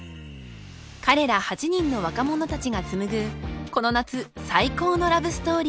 ［彼ら８人の若者たちが紡ぐこの夏最高のラブストーリー］